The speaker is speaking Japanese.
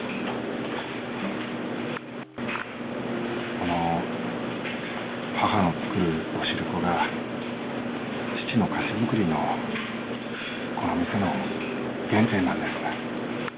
この母の作るお汁粉が父の菓子作りのこの店の原点なんです。